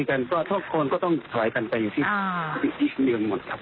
อย่างแขลกพูดผู้ใหญ่พี่นั่นแหละครับน่าจะมีอะไรดีเหมือนกันค่ะ